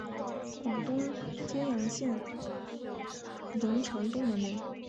广东揭阳县榕城东门人。